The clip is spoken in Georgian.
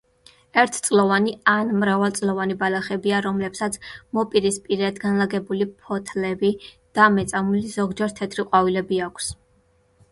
ერთწლოვანი ან მრავალწლოვანი ბალახებია, რომლებსაც მოპირისპირედ განლაგებული ფოთლები და მეწამული, ზოგჯერ თეთრი ყვავილები აქვს.